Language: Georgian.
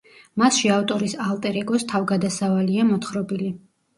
მასში ავტორის ალტერ ეგოს თავგადასავალია მოთხრობილი.